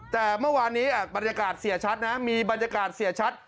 แต่เมื่อวานนี้บรรยากาศเสียชัดนะมีบรรยากาศเสียชัด